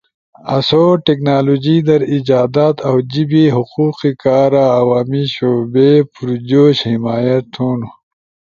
آسو ٹیکنالوجی در ایجادات اؤ جیبے حقوق کارا عوامی شعبے پرجوش حمایت تھون